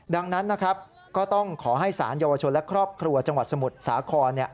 ดังนั้นนะครับก็ต้องขอให้สารเยาวชนและครอบครัวจังหวัดสมุทรสาคร